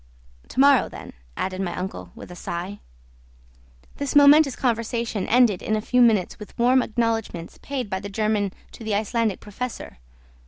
"To morrow, then," added my uncle with a sigh. This momentous conversation ended in a few minutes with warm acknowledgments paid by the German to the Icelandic Professor.